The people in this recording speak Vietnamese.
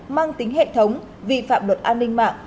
mang tính hệ thống vi phạm luật an ninh mạng